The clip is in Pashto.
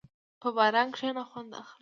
په باران کښېنه، خوند اخله.